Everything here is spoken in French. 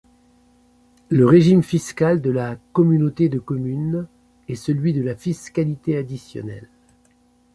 Le régime fiscal de la communauté de communes est celui de la fiscalité additionnelle.